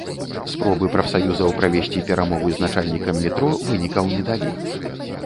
Спробы прафсаюзаў правесці перамовы з начальнікам метро вынікаў не далі.